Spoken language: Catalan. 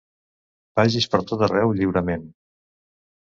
Vagis per tot arreu lliurement.